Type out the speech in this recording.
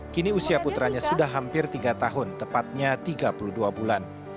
kini usia putranya sudah hampir tiga tahun tepatnya tiga puluh dua bulan